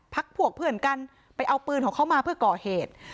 พวกเพื่อนกันไปเอาปืนของเขามาเพื่อก่อเหตุ